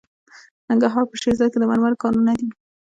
د ننګرهار په شیرزاد کې د مرمرو کانونه دي.